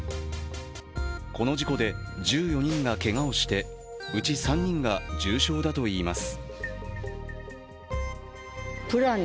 この事故で１４人がけがをしてうち３人が重傷だといいます。